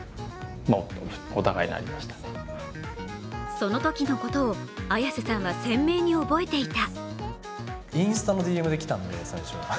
そのときのことを、Ａｙａｓｅさんは鮮明に覚えていた。